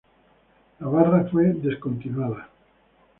La barra fue descontinuada.